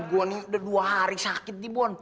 gua nih udah dua hari sakit nih bon